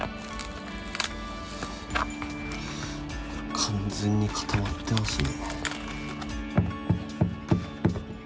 完全に固まってますね。